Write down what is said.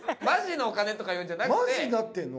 マジのお金とかいうんじゃなくて。